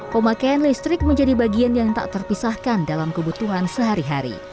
pemakaian listrik menjadi bagian yang tak terpisahkan dalam kebutuhan sehari hari